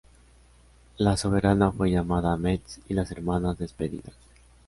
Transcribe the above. La soberana fue llamada a Metz y las hermanas despedidas.